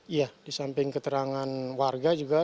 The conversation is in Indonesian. iya di samping keterangan warga juga